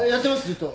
ずっと。